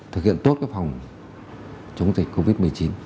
thực hiện tốt phòng chống dịch covid một mươi chín